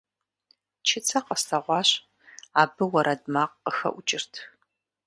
Чыцэ къэслъэгъуащ, абы уэрэд макъ къыхэӀукӀырт.